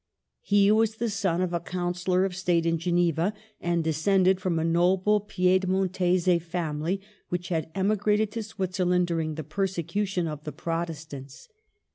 He was the son of a Councillor of State in Geneva, and descended from a noble Piedmontese family which had emigrated to Switzerland during the persecution of the Protestants.